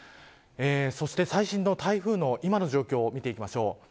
そして、最新の台風の今の状況を見ていきます。